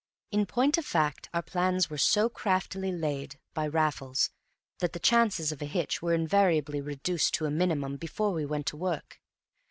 In point of fact our plans were so craftily laid (by Raffles) that the chances of a hitch were invariably reduced to a minimum before we went to work.